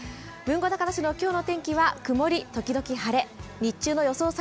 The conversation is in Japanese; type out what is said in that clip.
豊後高田市の今日の天気は曇り時々晴れ、日中の予想